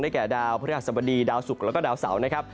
ได้แก่ดาวพระธรรมดีดาวสุกแล้วก็ดาวเสาร์นะครับ